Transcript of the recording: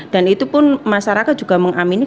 dan itu pun masyarakat juga mengamini